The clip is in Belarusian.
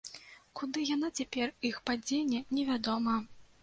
Куды яна цяпер іх падзене, невядома.